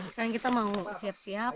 sekarang kita mau siap siap